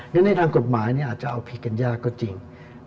ในทางกฎหมายอาจจะเอาผิดกันยากก็จริง